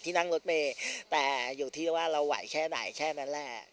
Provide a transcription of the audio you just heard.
นั่งรถเมย์แต่อยู่ที่ว่าเราไหวแค่ไหนแค่นั้นแหละ